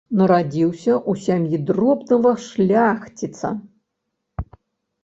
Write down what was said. Нарадзіўся ў сям'і дробнага шляхціца.